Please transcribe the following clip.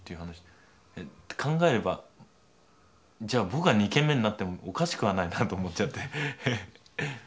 考えればじゃあ僕が２軒目になってもおかしくはないなと思っちゃって。